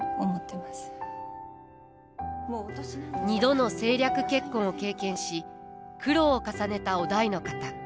二度の政略結婚を経験し苦労を重ねた於大の方。